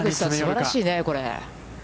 すばらしいね、これ。